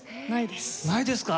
ないですか？